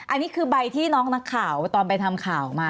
อันนี้คือใบที่น้องนักข่าวตอนไปทำข่าวมา